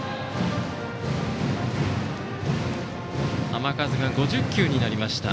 球数が５０球になりました